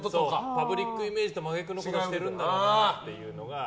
パブリックイメージと違うことしてるんだろうなって